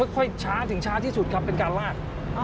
ช้าถึงช้าที่สุดครับเป็นการลาก